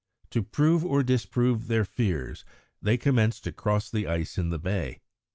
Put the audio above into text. To prove or disprove their fears they commenced to cross the ice in the bay.